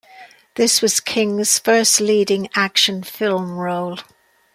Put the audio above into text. This was King's first leading action film role.